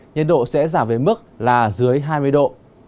nhiệt độ sẽ giảm về mức là dưới hai mươi độ